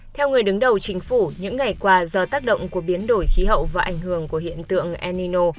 theo người đứng đầu chính phủ những ngày qua do tác động của biến đổi khí hậu và ảnh hưởng của hiện tượng enino